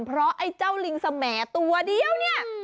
เพราะไอ้เจ้าลิงสแหมดตัวเดียวเนี่ย